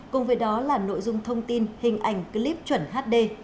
cùng với đó là nội dung thông tin hình ảnh clip chuẩn hd